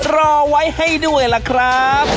รอไว้ให้ด้วยล่ะครับ